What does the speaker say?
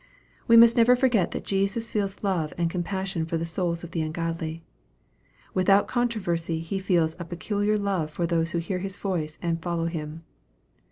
We must never forget that Jesus feels love and com passion for the souls of the ungodly. Without con troversy He feels a pec iliar love for those who hear His voice and follow Him.